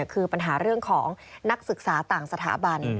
คือปัญหาเรื่องของนักศึกษาต่างสถาบัน